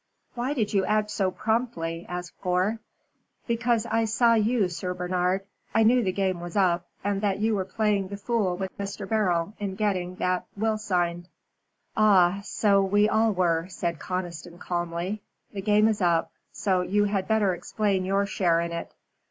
"Why did you act so promptly?" asked Gore. "Because I saw you, Sir Bernard. I knew the game was up, and that you were playing the fool with Mr. Beryl in getting that will signed." "Ah! so we all were," said Conniston, calmly. "The game is up, so you had better explain your share in it.